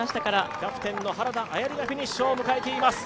キャプテンの原田紋里がフィニッシュを迎えています。